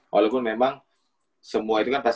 walaupun memang semua itu kan pasti